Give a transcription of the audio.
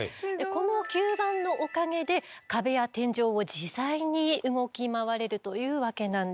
この吸盤のおかげで壁や天井を自在に動き回れるというわけなんです。